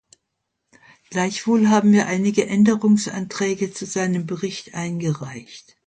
Gleichwohl haben wir einige Änderungsanträge zu seinem Bericht eingereicht.